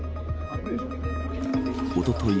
おととい